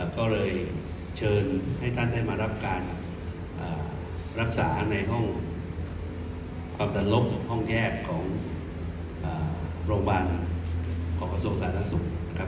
ก็เลยเชิญให้ท่านได้มารับการรักษาในห้องความดันลบของห้องแยกของโรงพยาบาลของกระทรวงสาธารณสุขนะครับ